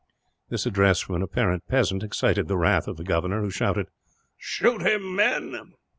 This address from an apparent peasant excited the wrath of the governor, who shouted: "Shoot him, men!"